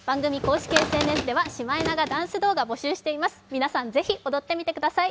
皆さん、ぜひ踊ってみてください。